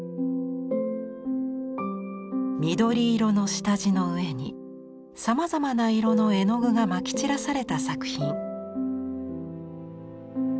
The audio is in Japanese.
緑色の下地の上にさまざまな色の絵の具がまき散らされた作品。